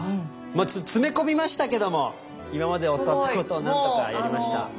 詰め込みましたけども今まで教わったことを何とかやりました。